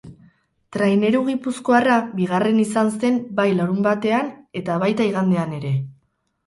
Traineru gipuzkoarra bigarren izan zen bai larunbatean eta baita igandean ere.